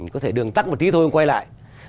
có thể đường tắt một tí thôi quay lại